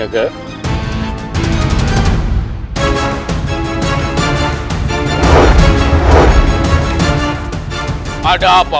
jangan tuh beras patah